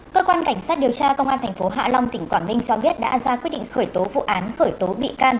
cơ quan cảnh sát điều tra công an thành phố hạ long tỉnh quảng minh cho biết đã ra quyết định khởi tố vụ án khởi tố bị can